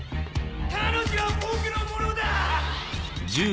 彼女は僕のものだ！